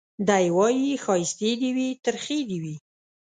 دی وايي ښايستې دي وي ترخې دي وي